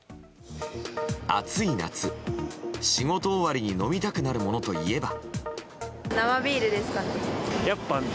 暑い夏、仕事終わりに飲みたくなるものといえば？